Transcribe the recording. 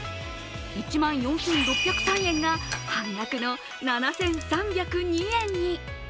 １万４６０３円が半額の７３０２円に。